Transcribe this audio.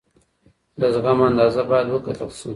د زغم اندازه باید وکتل شي.